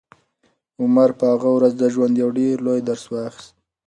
عمر په هغه ورځ د ژوند یو ډېر لوی درس واخیست.